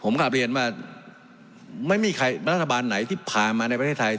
ผมกลับเรียนว่าไม่มีใครรัฐบาลไหนที่พามาในประเทศไทย